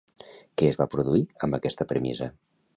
Què es va produir amb aquesta premissa?